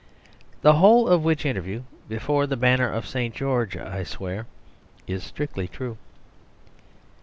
The whole of which interview, before the banner of St. George I swear, is strictly true.